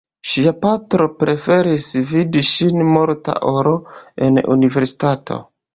Ŝia patro preferis vidi ŝin morta ol en Universitato.